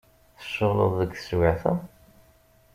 Tceɣleḍ deg teswiεt-a?